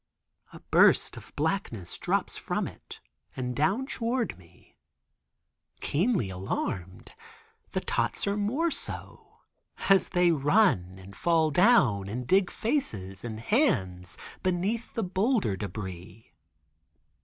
A burst of blackness drops from it and down toward me. Keenly alarmed, the tots are more so, as they, run and fall down and dig faces and hands beneath the boulder debris.